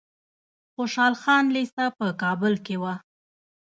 خوشحال خان لیسه په کابل کې وه.